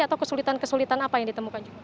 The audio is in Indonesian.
atau kesulitan kesulitan apa yang ditemukan juga